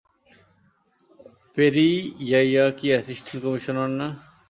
পেরিয়াইয়া কী assistant commissioner না?